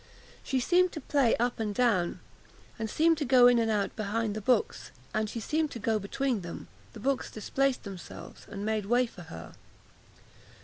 She seemed to play up and down, and seemed to go in and out behind the books; and as she seemed to go between them, the books displaced themselves, and made way for her."